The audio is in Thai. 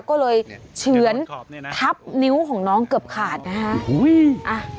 ก็เลยเฉือนทับนิ้วของน้องเกือบขาดนะฮะ